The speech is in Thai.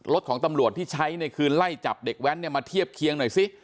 ของตำรวจที่ใช้ในคืนไล่จับเด็กแว้นเนี่ยมาเทียบเคียงหน่อยสิ